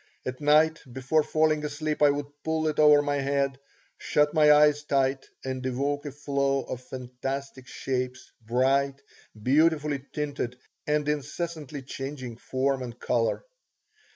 At night, before falling asleep, I would pull it over my head, shut my eyes tight, and evoke a flow of fantastic shapes, bright, beautifully tinted, and incessantly changing form and color.